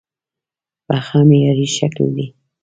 پښه معیاري شکل دی.